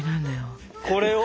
これを。